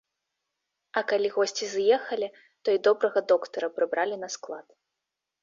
А калі госці з'ехалі, то і добрага доктара прыбралі на склад.